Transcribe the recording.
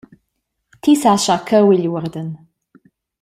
Ti sas schar cheu igl uorden.